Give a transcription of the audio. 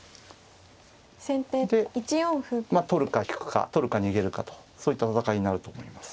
先手１四歩。でまあ取るか引くか取るか逃げるかとそういった戦いになると思います。